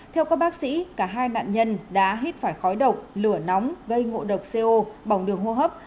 theo các bác sĩ cả hai nạn nhân đã hít phải khói độc lửa nóng gây ngộ độc co bỏng đường hô hấp